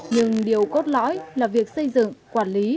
nhưng điều cốt lõi là việc xây dựng quản lý